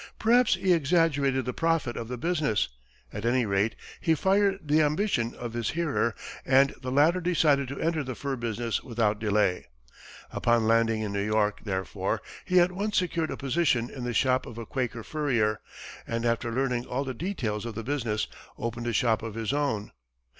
Perhaps he exaggerated the profits of the business; at any rate, he fired the ambition of his hearer, and the latter decided to enter the fur business without delay. Upon landing in New York, therefore, he at once secured a position in the shop of a Quaker furrier, and after learning all the details of the business, opened a shop of his own.